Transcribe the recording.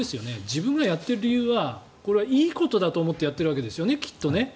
自分がやっている理由はこれはいいことだと思ってやっているんですよね。